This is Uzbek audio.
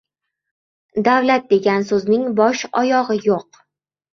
Davlat degan so‘zning bosh-oyog‘i yo‘q